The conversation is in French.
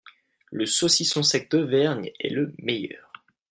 Le saucisson sec d'Auvergne est le meilleur